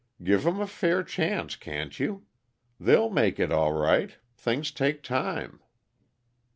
"Give 'em a fair chance, can't you? They'll make it, all right; things take time."